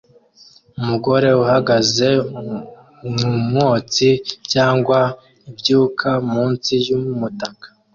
Umugore uhagaze mwumwotsi cyangwa ibyuka munsi yumutaka